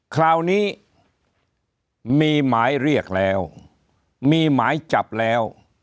คราวนี้มีหมายเรียกแล้วมีหมายจับแล้ว